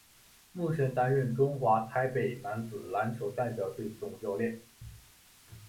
目前担任中华台北男子篮球代表队总教练。